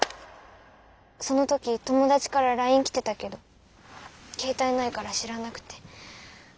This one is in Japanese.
その時友達からライン来てたけど携帯ないから知らなくて。